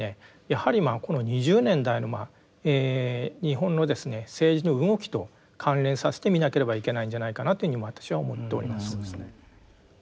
やはりこの２０年代の日本の政治の動きと関連させて見なければいけないんじゃないかなというふうに私は思っております。